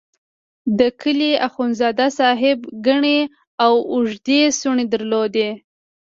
د کلي اخندزاده صاحب ګڼې او اوږدې څڼې درلودې.